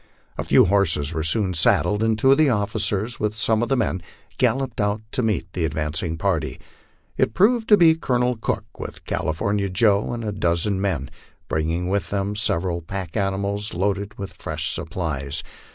A few horses were soon saddled, and two of the officers, with some of the men, galloped out to meet the advancing party. It proved to be Colonel Cook, with California Joe and a dozen men, bringing with them several pack animals loaded with fresh supplies.